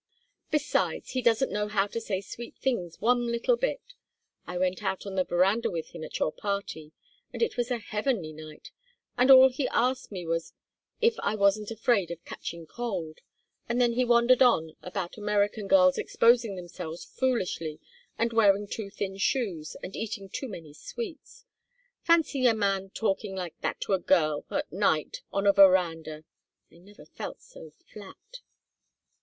Besides, he doesn't know how to say sweet things one little bit. I went out on the veranda with him at your party, and it was a heavenly night, and all he asked me was if I wasn't afraid of catching cold, and then he wandered on about American girls exposing themselves foolishly and wearing too thin shoes and eating too many sweets. Fancy a man talking like that to a girl at night on a veranda! I never felt so flat."